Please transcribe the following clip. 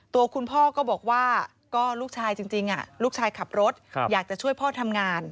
ตัวคุณพ่อก็บอกว่าก็ลูกชายจริงลูกชายขับรถอยากจะช่วยพ่อทำงาน